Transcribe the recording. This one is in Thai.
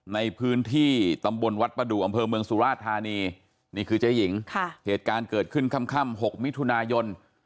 ในพื้นที่ตำบลวัดประดูกอำเภอเมืองสุราชธานีนี่คือเจ๊หญิงเหตุการณ์เกิดขึ้นค่ำ๖มิถุนายน